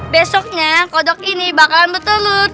besoknya kodok ini bakalan berturut